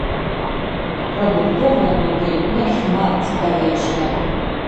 Прадуктовая мадэль нашмат цікавейшая.